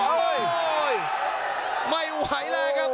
โอ้ยไม่ไหวกว่าเลยครับ